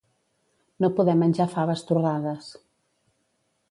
No poder menjar faves torrades.